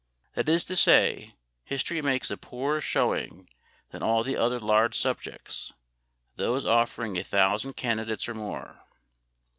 That is to say, history makes a poorer showing than all the other large subjects, those offering a thousand candidates or more.